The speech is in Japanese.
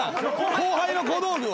後輩の小道具を。